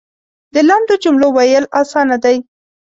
د لنډو جملو ویل اسانه دی .